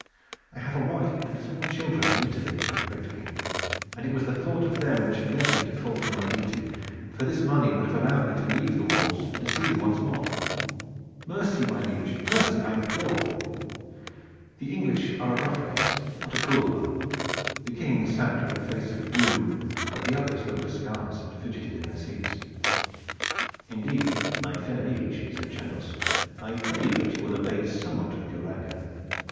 I have a wife and four children in Italy, great King; and it was the thought of them which led me to fall from my duty, for this money would have allowed me to leave the wars and to see them once again. Mercy, my liege, mercy, I implore!" The English are a rough race, but not a cruel one. The King sat with a face of doom; but the others looked askance and fidgeted in their seats. "Indeed, my fair liege," said Chandos, "I pray you that you will abate somewhat of your anger."